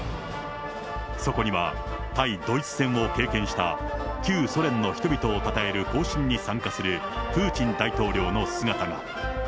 そこには、対ドイツ戦を経験した旧ソ連の人々をたたえる行進に参加する、プーチン大統領の姿が。